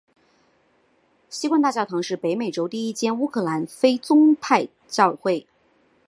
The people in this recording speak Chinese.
锡罐大教堂是北美洲第一间乌克兰非宗派教会。